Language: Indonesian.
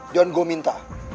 dan gua minta